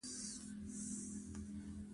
موږ بايد يو بل ته لاس ورکړو.